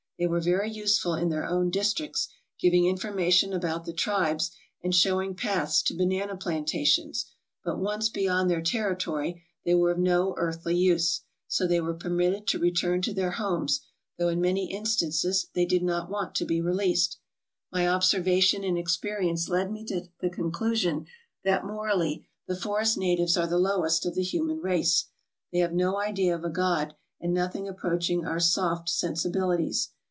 They were very useful in their own districts, giving information about the tribes, and showing paths to banana plantations, but once beyond their territory they were of no earthly use. So they were permitted to return to their homes, though in many instances they did not want to be released. My observation and experience led me to the conclusion that morally, the forest natives are the lowest of the human race. They have no idea of a God, and nothing approaching our soft sensibili ties.